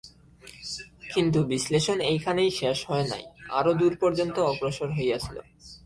কিন্তু বিশ্লেষণ এইখানেই শেষ হয় নাই, আরও দূর পর্যন্ত অগ্রসর হইয়াছিল।